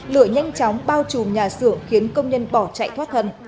lửa nhanh chóng bao trùm nhà xưởng khiến công nhân bỏ chạy thoát thần